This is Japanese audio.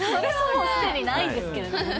すでにないんですけれどもね。